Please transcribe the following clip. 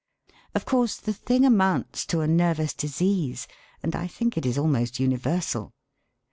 Of course, the thing amounts to a nervous disease, and I think it is almost universal.